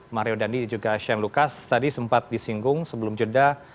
mario dandi juga shane lucas tadi sempat disinggung sebelum jeda